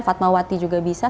fatmawati juga bisa